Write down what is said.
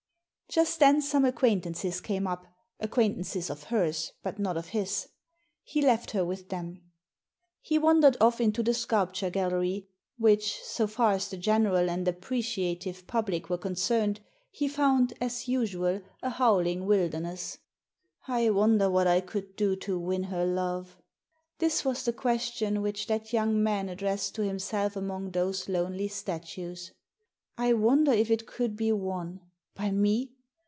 Just then some acquaintances came up — acquaint ances of hers, but not of his. He left her with them. Digitized by VjOOQIC 126 THE SEEN AND THE UNSEEN He wandered off into the sculpture gallery, which, so far as the general and appreciative public were concerned, he found, as usual, a howling wilderness. " I wonder what I could do to win her love ?" This was the question which that young man addressed to himself among those lonely statues. " I wonder if it could be won ? By me